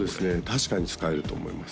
確かに使えると思います